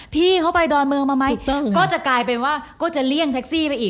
พี่เขาไปดอนเมืองมาไหมก็จะกลายเป็นว่าก็จะเลี่ยงแท็กซี่ไปอีก